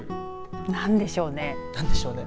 なんでしょうね。